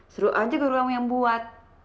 seru aja guru kamu yang buat